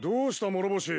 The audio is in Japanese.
諸星。